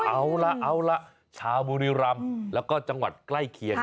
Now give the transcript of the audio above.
โอ้โฮเอาละชาวบุรีรัมพ์แล้วก็จังหวัดใกล้เคียง